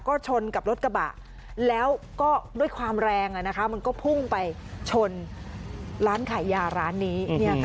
ก็ชนกับรถกระบะแล้วก็ด้วยความแรงมันก็พุ่งไปชนร้านขายยาร้านนี้